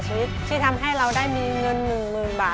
ที่เขียนจดหมายเข้ามาทางรายการเกมต่อชีวิต